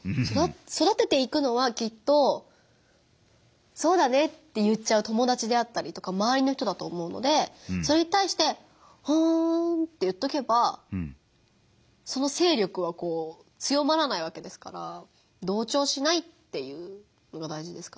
そだてていくのはきっと「そうだね」って言っちゃう友達であったりとかまわりの人だと思うのでそれに対して「ふん」って言っとけばその勢力は強まらないわけですから同調しないっていうのがだいじですかね。